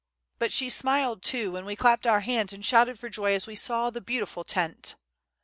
But she smiled, too, when we clapped our hands and shouted for joy as we saw the beautiful tent!"